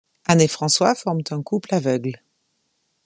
Anne et François forment un couple aveugle.